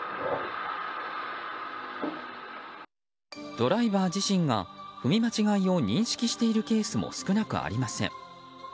ドライバー自身が踏み間違いを認識しているケースも少なくありません。